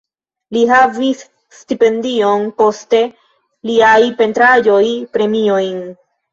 Li havis stipendion, poste liaj pentraĵoj premiojn.